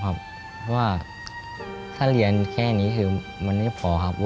เพราะว่าถ้าเรียนแค่นี้คือมันไม่พอครับ